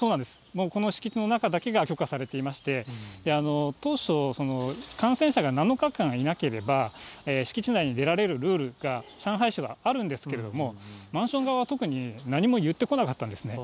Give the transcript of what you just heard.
もう、この敷地の中だけが許可されていまして、当初、感染者が７日間いなければ、敷地内に出られるルールが上海市はあるんですけれども、マンション側は特に何も言ってこなかったんですね。